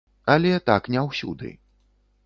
Але так не ўсюды.